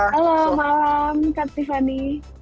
halo malam kak tiffany